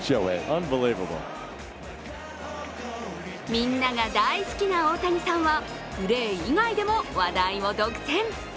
みんなが大好きな大谷さんはプレー以外でも話題を独占。